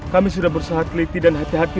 kami sudah bersahad liti dan hati hati